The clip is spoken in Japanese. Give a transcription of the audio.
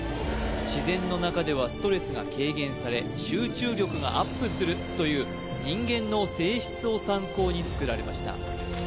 自然の中ではストレスが軽減され集中力がアップするという人間の性質を参考につくられました